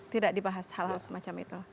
tidak dibahas hal hal semacam itu